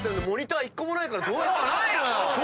ないのよ。